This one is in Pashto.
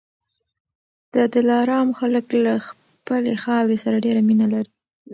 د دلارام خلک له خپلي خاورې سره ډېره مینه لري